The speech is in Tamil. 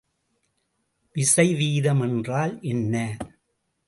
விசைவீதம் என்றால் என்ன?